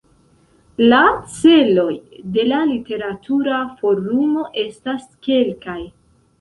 La celoj de la Literatura Forumo estas kelkaj.